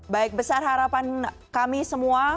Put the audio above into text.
baik besar harapan kami semua